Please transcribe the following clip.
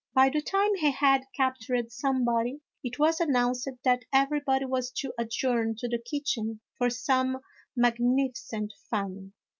By the time he had captured somebody it was announced that everybody was to adjourn to the kitchen for some magnificent fun.